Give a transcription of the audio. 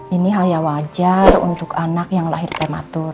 ini hal yang wajar untuk anak yang lahir prematur